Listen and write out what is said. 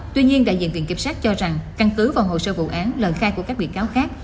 tuy nhiên đại diện viện kiểm sát cho rằng căn cứ vào hồ sơ vụ án lời khai của các bị cáo khác